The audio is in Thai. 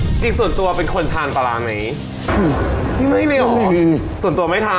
จริงจริงส่วนตัวเป็นคนทานปลาร้าไหมไม่มีส่วนตัวไม่ทาน